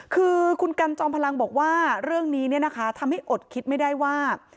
คือคุณกันจอมพลังบอกว่าเรื่องนี้เนี่ยนะคะทำให้อดคิดไม่ได้ว่า